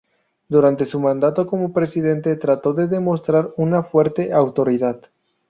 Durante su mandato como presidente trató de demostrar una fuerte autoridad.